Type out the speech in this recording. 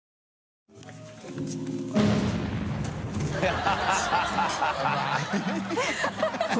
ハハハ